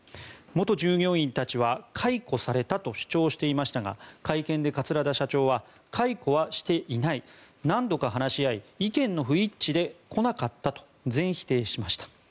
元従業員たちは解雇されたと主張していましたが会見で桂田社長は解雇はしていない何度か話し合い意見の不一致で来なかったと全否定しました。